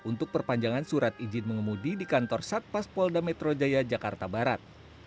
untuk perpanjangan surat izin mengemudi di kantor satpas polda metro jaya jakarta barat